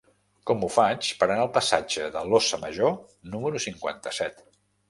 Com ho faig per anar al passatge de l'Óssa Major número cinquanta-set?